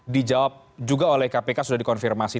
dijawab juga oleh kpk sudah dikonfirmasi